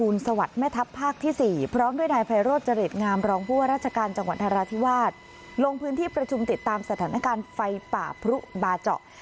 ลงพื้นที่ประชุมติดตามสถานการณ์ไฟป่าพรุบาเจาะ